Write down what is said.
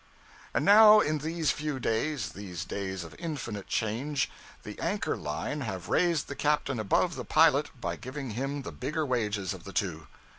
And now in these new days, these days of infinite change, the Anchor Line have raised the captain above the pilot by giving him the bigger wages of the two.